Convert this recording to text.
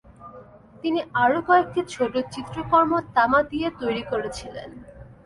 তিনি আরও কয়েকটি ছোট চিত্রকর্ম তামা দিয়ে তৈরি করেছিলেন।